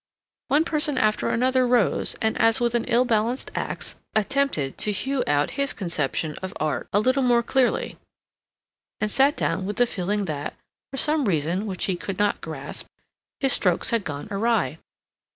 One person after another rose, and, as with an ill balanced axe, attempted to hew out his conception of art a little more clearly, and sat down with the feeling that, for some reason which he could not grasp, his strokes had gone awry.